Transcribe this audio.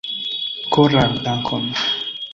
Koran dankon!